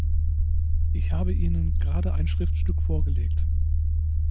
Ich habe Ihnen gerade ein Schriftstück vorgelegt.